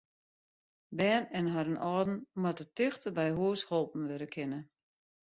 Bern en harren âlden moatte tichteby hús holpen wurde kinne.